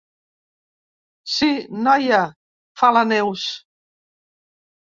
Sí, noia —fa la Neus—.